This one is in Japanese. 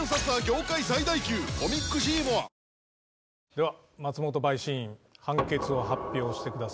では松本陪審員判決を発表してください。